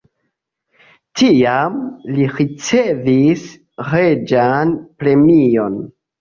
Tiam li ricevis reĝan premion.